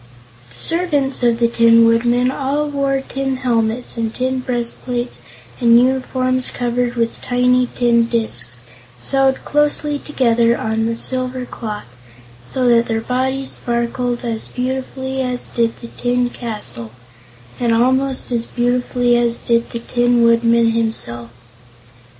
The servants of the Tin Woodman all wore tin helmets and tin breastplates and uniforms covered with tiny tin discs sewed closely together on silver cloth, so that their bodies sparkled as beautifully as did the tin castle and almost as beautifully as did the Tin Woodman himself.